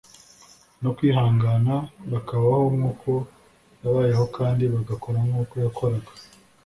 no kwihangana bakabaho nk'uko yabayeho kandi bagakora nk'uko yakoraga.